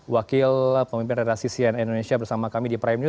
wakil pemimpin redaksi cnn indonesia bersama kami di prime news